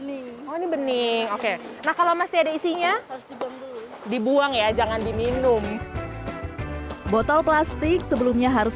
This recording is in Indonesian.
ini bening oke nah kalau masih ada isinya harus dibuang dulu dibuang ya jangan diminum botol plastik sebelumnya harus